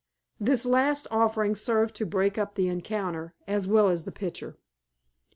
This last offering served to break up the encounter, as well as the pitcher.